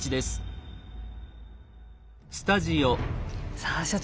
さあ所長